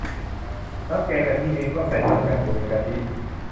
น้ำแกงกะทิเอง ก็ใส่สารกันบูดในกะทิ